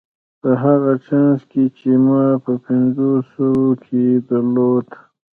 په هغه چانس کې چې ما په پنځوسو کې درلود.